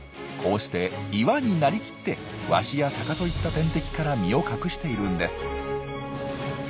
こうして岩になりきってワシやタカといった天敵から身を隠しているんです。